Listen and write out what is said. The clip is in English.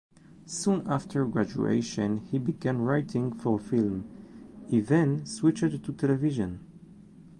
Soon after graduation, he began writing for film; he then switched to television.